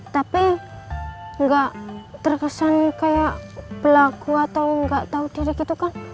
tapi nggak terkesan kayak pelaku atau nggak tahu diri gitu kan